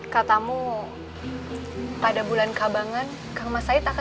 kana itu memang invisible